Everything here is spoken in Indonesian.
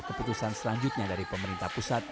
keputusan selanjutnya dari pemerintah pusat